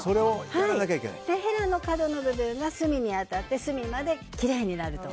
ヘリの角の部分が隅に当たって隅まできれいになると。